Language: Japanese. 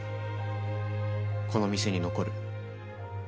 この店に残る。